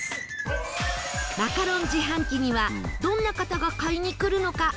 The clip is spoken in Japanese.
マカロン自販機にはどんな方が買いに来るのか？